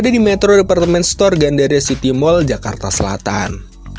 di metro departemen store gandaria city mall jakarta selatan